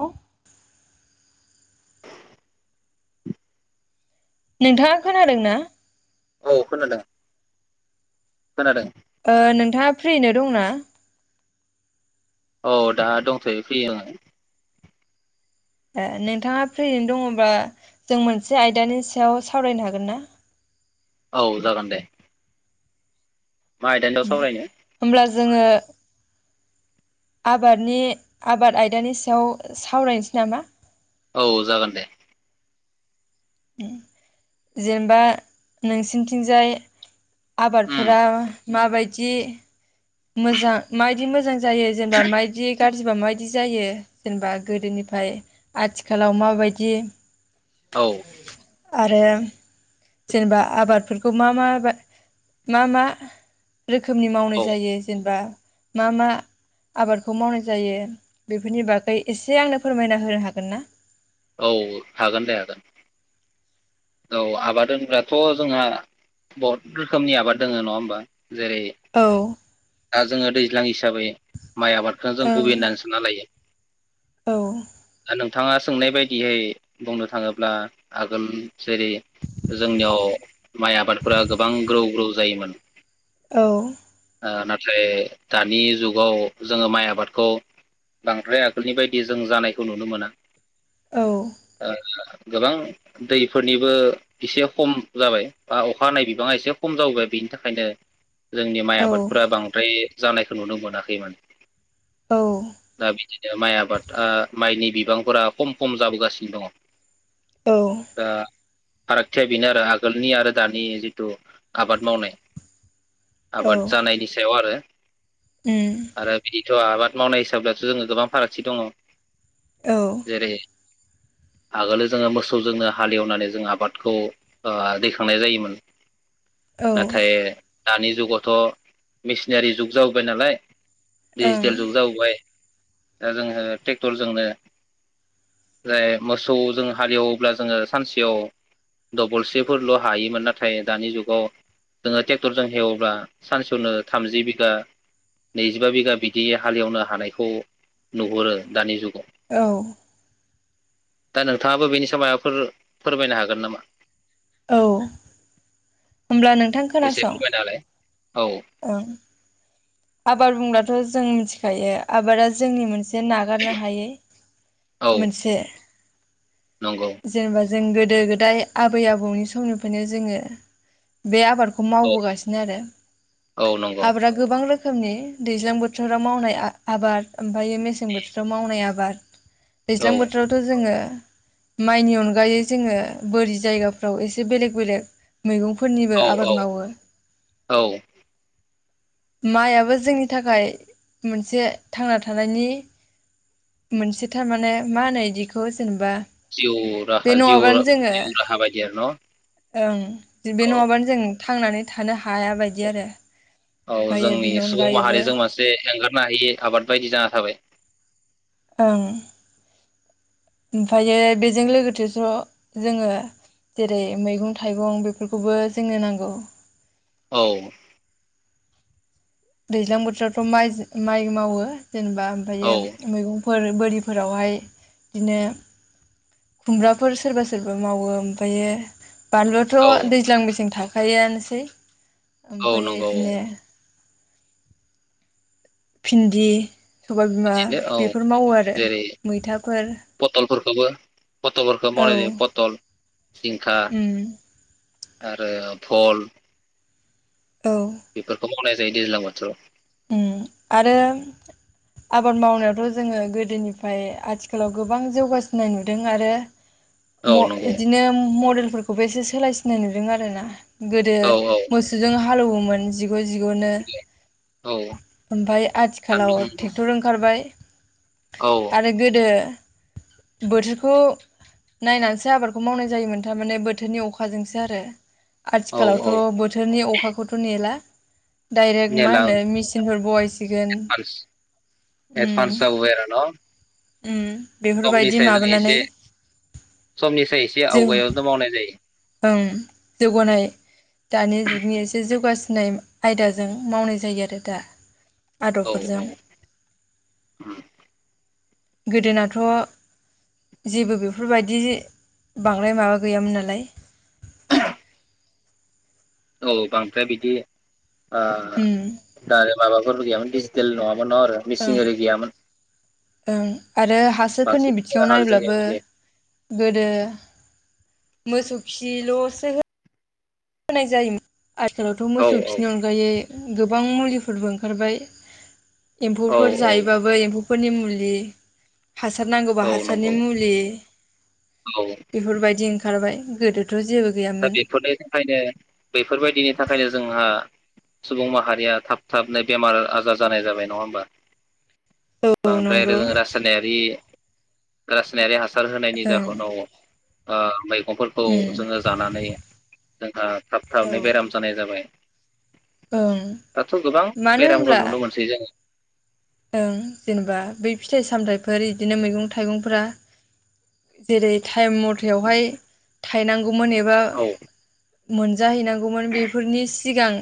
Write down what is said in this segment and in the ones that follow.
औ नोंथाङा खोनादों ना? औ खोनादों खोनादों। ओ नोंथाङा फ्रिनो दंना । औ दा दंथयो फ्रिङो। ए नोंथाङा फ्रिनो दङब्लाजों मोनसे आयदानि सायाव सावरायनो हागोन ना। औ जागोन दे। मा आयदानि सायाव सावरायनो होमब्ला जोङो। आबादनि आबाद आयदानि सायाव सावरायनोसै नामा। औ जागोन दे। जेनेबा नोंसिनिथिंजाय। उम आबादफोरा माबायदि। मोजां माबायदि मोजां। जायो जेनेबा माइदि। गाज्रिबा माबायदि जायो जेनेबा गोदोनिफ्राय आथिखालाव माबायदि। औ [inaudible] आरो जेनेबा आबादफोरखौ मा मा बा मा मा। रोखोमनि मावनाय औ जायो जेनेबा। मा मा आबादखौ मावनाय जायो बेफोरनि बागै एसे आंनो फोरमायना होनो हागोन ना। औ हागोन दे हागोन। औ आबाद होनग्राथ' जोंहा बहुद रोखोमनि आबाद दोङ नङा होमबा। जेरै औ दा जोङो दै। दैज्लां हिसाबै। माइ आबादखौ जों गबै ओं होनना सानना लायो औ दा नोंथाङा। सोंनाय बायदियै बुंनो थाङोब्ला आगोल। जेरै जोंनियाव माइ आबादफोरा गोबां ग्रौ ग्रौ जायोमोन‌। औ। नाथाय दानि जुगाव जोङो माइ आबादखौ बांद्राय आगोलनि बायदि जों जानायखौ नुनो मोना। औ औ। गोबां दै। फोरनिबो एसे खम जाबाय बा अखा हानाय बिबाङा एसे खम जाबोबाय बेनि थाखायनो। जोंनि माइ औ आबादफोरा बांद्राय। जानायखौ नुनो मोनाखैमोन। औ दाबिदि माइ आबाद ओ माइनि बिबांफोरा खम खम जाबोगासिनो दङ। औ। ओ फारागथिया बेनो आरो आगोलनि आरो दानि जिथु आबाद मावनाय। औ आबाद जानायनि सायाव आरो। उम। ओ बिदिथ' आबाद मावनाय हिसाब्लाथ' जोङो गोबां फारागथि दङ औ जेरै आगोलो जोंङो मोसौ जोंनो हाल एवनानै जों आबादखौ ओ दैखांनाय जायोमोन। औ नाथाय दानि जुगावथ' मेसिनारि जुग जाबोबाय नालाय ओं दिजिटेल जुग जाबोबाय दा जोंङो टेक्टरजोंनो ओ मोसौजों हाल एवोब्ला जोंङो सानसेयाव दबलसेफोरल' हायोमोन नाथाय दानि जुगाव जोंङो टेक्टरजों एवब्ला सानसेयावनो थामजि बिगा नैजिबा बिगा बिदि हाल एवनो हानायखौ नुहरो दानि जुगाव। औ दा नोंथाङाबो बेनि सायाव माबाफोर फोरमायनो हागोन नामा। औ होमब्ला नोंथां एसे खोनासं फोरमायना होलाय औ आबाद बुंब्लाथ' जों मिथिखायो आबादा जोंनि मोन से नागारनो हायै औ मोनसे नंगौ जेनेबा जों गोदो-गोदाय आबै आबौनि समनिफायनो जोंङो बे आबाद खौ औ मावबोगासिनो आरो औ नंगौ आबादआ गोबां रो खोमनि दैज्लां बोथोराव मावनाय आ-आबाद ओमफायो मेसें बोथोराव मावनाय आबाद [inaudible] औ दैज्लां बोथोरावथ' जोंङो माइनि अनगायै जोंङो बोरि जायगाफ्राव एसे बेलेग-बेलेग मैगंफोरनिबो औ औ आबाद मावो। औ माइआबो जोंनि थाखाय मोनसे थांना थानायनि मोनसे थारमाने मा होनो इदिखौ जेनेबा जिउ राहा बे जिउ नङाबानो जोंङो जिउ राहा बायदि आरो न' ओं बे औ नङाबानो जों थांनानै थानो हाया बायदि आरो औ ओमफ्रायो जोंनि बिनि सुबुं अनगायैबो माहारिजों मोनसे एंगारनो हायि आबाद बायदि जाना थाबाय। ओं ओमफायो बेजों लोगोथे थ' जोंङो जेरै मैगं थाइगं बेफोरखौबो जोंनो नांगौ औ दैज्लां बोथोरावथ' माइज माइ मावो जेनेबा ओमफायो औ मैगंफोर बोरिफोरावहाय बिदिनो खुमब्राफोर सोरबा सोरबा मावो ओमफायो औ बानलुआथ' दैज्लां मेसें था थायो आनोसै औ ओमफायो नंगौ औ इदिनो भिन्दि सबाय बिमा बिदिनो औ बेफोर मावो आरो मैथाफोर खौबो पटलफोरखौ औ मावनाय जायो पथल जिंखा उम आरो भल औ बेफोर नाय जायो दैज्लां बोथोराव उम आरो आबाद मावनायावथ' जोंङो गोदोनिफ्राय आथिखालाव गोबां जौगासिननाय नुदों आरो म औ नंगौ इदिनो बो एसे सोलायसिननाय नुदों आरो ना गोदो औ औ मोसौजों हालौवोमोन जिग' जिग'नो औ ओमफाय आथिखालाव सान्दुं टेक्टर ओंखार बाय औ आरो गोदो बोथोरखौ नायनानैसो आबादखौ मावनाय जायोमोन। थारमाने बोथोरनि अखाजोंसो आरो। औ औ आथिखालावथ' बोथोरनि अखाखौथ' नेला। डाइरेक्ट मा मेला मेचिनफोर बहासिगोन एडभान्स ओं एडभान्स जाबोबाय आरो न' उम बेफोरबायदि समनिसाय जों माबानानै एसे समनिसाय एसे जों आवगायावनो मावनाय जायो ओं जौगानाय दानि जुगनि एसे जौगा नाय आयदाजों मावनाय जायो आरो दा औ आदबफोरजों औ उम गोदोनाथ' जेबो बेफोरबायदि बांद्राय माबा गैयामोन नालाय। औ बांद्राय बिदि ओ उम दा आरो माबा [unintelligible] दिजटेल नङामोन। [unintelligible] मिसिं आरि गैयामोन। उम आरो हासारफोरनि बांसिन बिथिङाव हालजों नायोब्लाबो औ गोदो मोसौ खिल'सो हो होनाय जायोमोन। आथिखालावथ' मोसौ औ खिनि अनगायै गोबां मुलिफोरबो ओंखारबाय। औ एम्फौफोर औ जायोबाबो एम्फौफोरनि मुल [unintelligible] हासार नांगौबा औ हासारनि नंगौ मुलि औ बेफोरबायदि ओंखारबाय। गोदो दा बेफोरनि थाखायनो बेफोरबायदिनि थाखायनो जोंहा सुबुं माहारिया थाब थाबनो बेमार आजार जानाय जाबाय नङा होमबा औ बांद्राय आरो नंगौ जों रासायनारि रासायनायारि हा सार होनायनि ओं जाहोनाव आ मै गंफोरखौ उम जोंङो नायो जोंहा थाब थाबनो बेराम ओं जानाय जाबाय। दाथ' गोबां मानो बेरामखौ होनब्ला नुनो मोनसै जोङो ओं जेनेबा बै फिथाइ सामथायाइफोर इदिनो मैगं थाइगंफोरा जेरै टाइम मथेयावहाय थायनांग गौमोन एबा औ मोनजाहैनांगौमोन बेफोरनि सिगां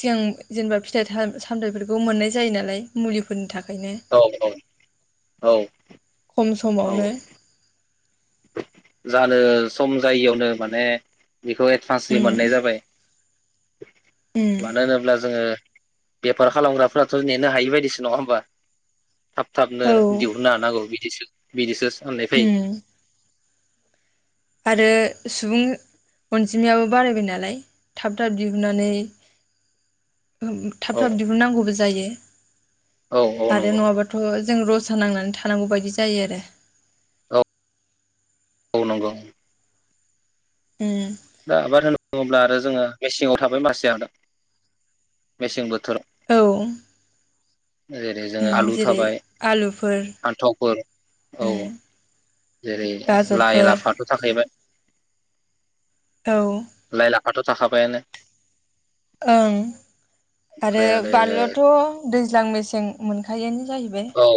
सिगां जेनेबा फिथाइ थाइ सामथथायफोरखौ मोननाय जायो नालाय मुलि फोरनि था औ औ औ। खम औ समावनो जानो सम जायियावनो माने बेखौ एडभान्सलि उम मोननाय जाबाय। उम मानो होनोब्ला जोङो बेफार खालामग्राफ्राथ' नेनो हायि बायदिसो नङा होमबा थाब थाबनो औ दिहुननो हानांगौ बिदिसो बिदिसो [unintelligible] उम आरो सुबुं अनजिमायाबो बारायबाय नालाय थाब थाब दिहुननानै औ थाब थाब दिहुननांगौबो जायो । औ औ आरो नंगौ नङाबाथ जों रज रसा नांनानै थानांगौ बायदि जायो आरो । औ औ नंगौ । उम दा आबाद बुङोब्ला आरो जोङो मेसेंङाव थाबाय माखासे आरो मेसें बोथोराव । औ जेरै जोङो उम आलु जेरै थाबाय आलुफोर फान्थावफोर औ उम जेरै लाइ गाजरफोर लाफाथ थाखाहैबाय । औ लाफाथ थाखाबायानो । ओं आरो बानलुथ मोज्लां मेसें मोनखायोनो । जाहैबाय औ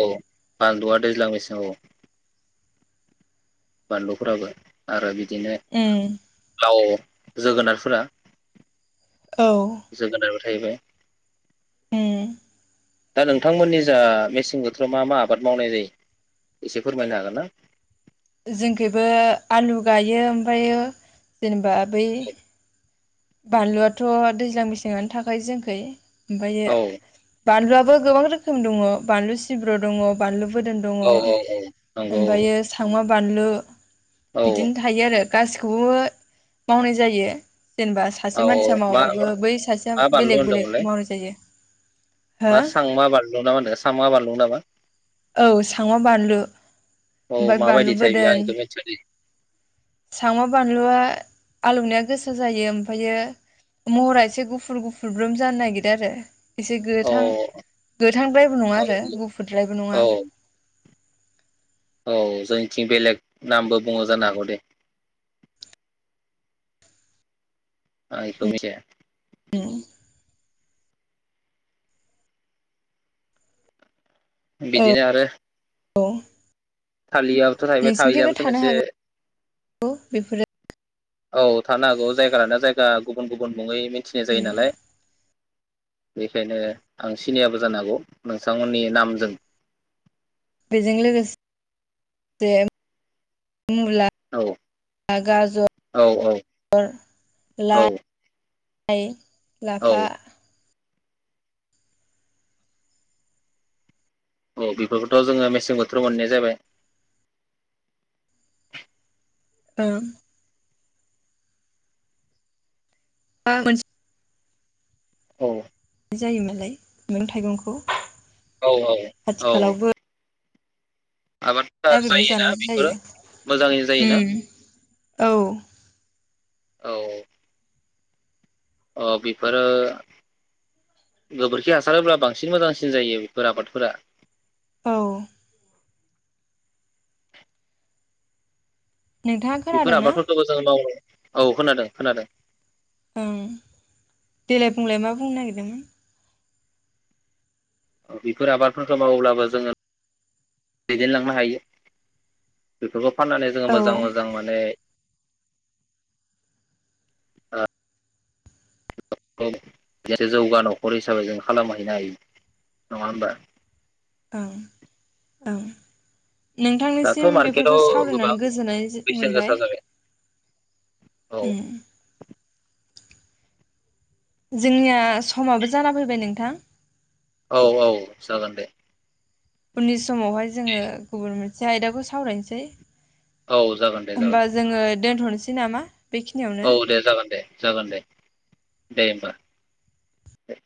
बानलुआ दैज्लां मेसेंऔ । बानलुफोराबो आरो बि बिदिनो उम लाव जोगोनारफोरा जोगोनारबो औ थाहैबाय उम दा नोंथांमोननि जा मेसें बोथोराव मा मा आबाद मावनाय जायो एसे फोरमायनो हागोन ना? जोंखैबो आलु गायो ओमफ्रायो जेनेबा बै बानलुआथ दैज्लां मेसेंआनो थाखायो जोंनिखै । औ ओमफ्रायो बानलुआबो गोबां रोखोम दङ बानलु सिब्रु दङ बानलु बोरदोन दङ औ औ औ नंगौ आमफ्रायो साम बानलु औ बिदिनो थायो आर गासिखौबो मावनाय जायो । जेनेबा सासे औ मानसिया मा मावाबाबो बै सासेया मा बानलु बेलेग बेलेग होनदोंमोनलाय मावनाय जायो । मा सांमा बानलुं ना होनदों सांमा बारलुं नामा? औ सांम बानलु, औ ओमफ्राय बानलु माबायदिथाय बेयो आं बोदोन। बेखौ मिथिया दे सांम बानलुआ आलौनाया गोसा जायो ओमफ्रायो महरा एसे गुफुर गुफुर ग्रोम जानो नागिरो आरो । एसे औ गोथां गोथांद्रायबो नङा औ आरो गुफुरद्रायबो नङा औ । औ जोंनिथिं बेलेग नामबो बुंङो जानो हागौ दे। आं इखो मिथिया उम। औ बिदिनो आरो औ थालिया बोथ थायोबाय नोंसिनिखैबो थालियाबोथ थानो एसे हागौ बेफोरो औ थानो हागौ जायगा लाना जायगा गुबुन गुबुन मुङै मिथिनाय जायो नालाय। बेखायनो आं सिनियाबो जानो हागौ नोंथांमोननि नामजों। बेजों लोगोसे जे मुला, औ औ औ गाजर, औ लाइ, [unintelligible] औ लाफा, औ बेफोरखौथ जोङो मेसें बोथोराव मोननाय जाबाय। ओं। ओ मोनस औ जायो मोनलाय मैगं थाइगंखौ? औ औ औ आथिखालावबो आबादफफ्रा नागिरनानै जायोना जानांगौ जायो बेफोरो मोजाङै जायोना? औ। औ। अ बेफोरो गोबोरखि हासारोब्ला बांसिन मोजांसिन जायो बेफोर आबादफोरा। औ। नोंथाङा बेफोर खोनादोंना आबादफोरखौबो जों मावो औ खोनादों खोनादों। ओं देेलाय बुंलाय मा बुंनो नागिरदोंमोन? बेफोर आबादफोरखौ मावोब्लाबो जोङो दैदेनलांनो हायो बेफोरखौ फाननानै जोङो औ मोजां मोजां माने औ। जाथे जौगा नखर हिसाबै जों खालामहैनो हायो नङा होमबा? औ औ। दाथ' नोंथांनिसिम मार्केटाव बेफोरखौ गोबां सावरायनानै गोजोननाय जो बेसेन मोनबाय गोसा जाबाय औ उम। जोंनिया समाबो जाना फैबाय नोंथां औ औ जागोन दे। उननि स समावहाय जोङो गुबुन मोन से आयदाखौ सावरायनोसै औ जागोन दे जागोन होमबा जोङो दोनथ'नोसै। सै नामा? बेखिनियावनो औ दे जागोन दे जागोन दे। दे होमबा।